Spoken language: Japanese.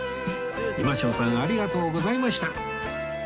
今荘さんありがとうございました！